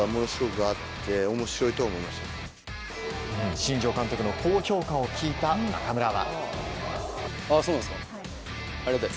新庄監督の高評価を聞いた中村は。